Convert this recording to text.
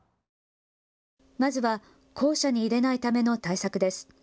まずは校舎に入れないための対策です。